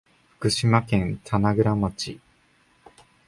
福島県棚倉町